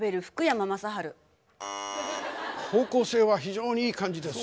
方向性は非常にいい感じです。